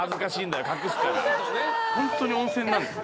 ・ホントに温泉なんです